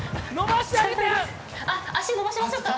足、伸ばしましょうか？